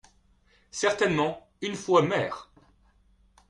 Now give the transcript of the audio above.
Certainement, une fois maire…